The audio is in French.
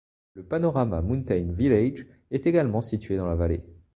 Le Panorama Mountain Village est également situé dans la vallée.